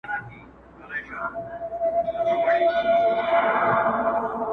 څه ورېښمین شالونه لوټ کړل غدۍ ورو ورو،